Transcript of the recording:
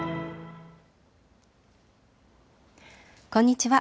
こんにちは。